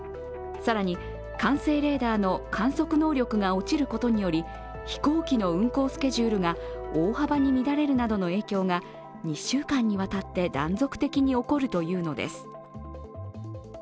更に管制レーダーの観測能力が落ちることにより飛行機の運航スケジュールが大幅に乱れるなどの影響が２週間にわたって断続的に起こるというのです。